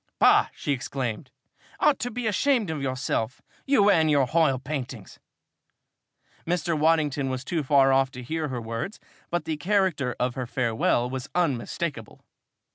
"Bah!" she exclaimed. "Ought to be ashamed of yourself! You and your h'oil paintings!" Mr. Waddington was too far off to hear her words but the character of her farewell was unmistakable!